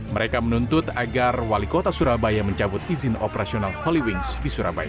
mereka menuntut agar wali kota surabaya mencabut izin operasional holy wings di surabaya